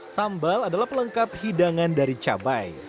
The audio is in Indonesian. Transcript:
sambal adalah pelengkap hidangan dari cabai